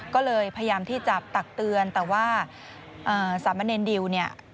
ก็เลยพยายามที่จะตักเตือนแต่ว่าสามะเนรดิวเนี่ย